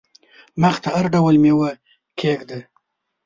مخ ته هر ډول مېوه کښېږده !